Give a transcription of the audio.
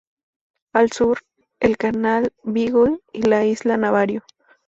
Al Sur, el Canal Beagle y la Isla Navarino.